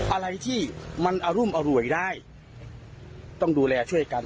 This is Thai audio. อะไรที่มันอรุมอร่วยได้ต้องดูแลช่วยกัน